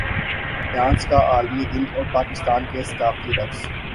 dance کا عالمی دن اور پاکستان کے ثقافتی رقص